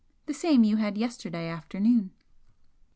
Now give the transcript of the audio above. The same you had yesterday afternoon."